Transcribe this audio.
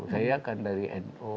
saya kan dari nu